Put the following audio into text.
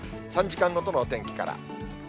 ３時間ごとのお天気から。